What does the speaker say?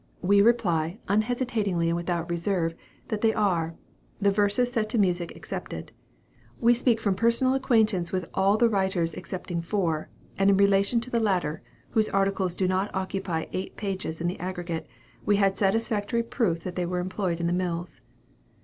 We reply, unhesitatingly and without reserve, that THEY ARE, the verses set to music excepted. We speak from personal acquaintance with all the writers, excepting four; and in relation to the latter (whose articles do not occupy eight pages in the aggregate) we had satisfactory proof that they were employed in the mills.